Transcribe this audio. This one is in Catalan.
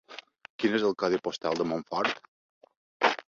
Quin és el codi postal de Montfort?